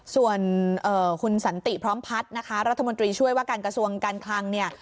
ส่วนคุณสันติพร้อมพัฒน์นะคะรัฐมนตรีช่วยว่าการกระทรวงการคลังเนี่ย